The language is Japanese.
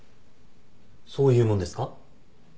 そういうもんですか？